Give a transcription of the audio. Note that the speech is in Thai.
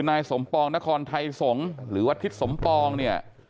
นายสมปองนครไทยสงฆ์หรือว่าทิศสมปองเนี่ย